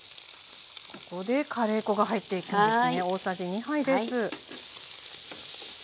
ここでカレー粉が入っていくんですね。